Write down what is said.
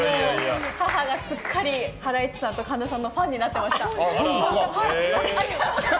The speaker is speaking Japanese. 母がすっかりハライチさんと神田さんのファンになっていました。